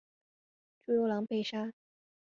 朱由榔被杀。